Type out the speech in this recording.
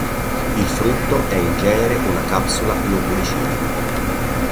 Il frutto è in genere una capsula loculicida.